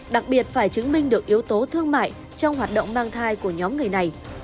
đặc biệt phải chứng minh được yếu tố thương mại trong hoạt động mang thai của nhóm người này